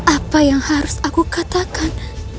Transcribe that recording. apa yang harus aku katakan